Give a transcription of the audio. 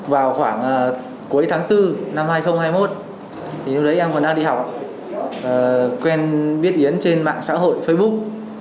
vào khoảng cuối tháng bốn năm hai nghìn hai mươi một lúc đấy em còn đang đi học quen biết yến trên mạng xã hội facebook